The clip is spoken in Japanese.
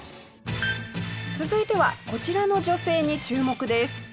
続いてはこちらの女性に注目です。